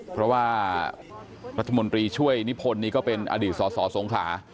เพราะว่ารัฐมนตรีช่วยนิพนธ์นี่ก็เป็นอดีตสสงขลา